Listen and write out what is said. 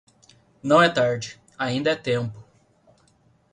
Não é tarde, ainda é tempo